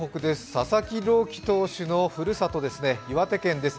佐々木朗希投手のふるさとですね、岩手県です